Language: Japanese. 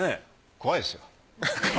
怖いですか。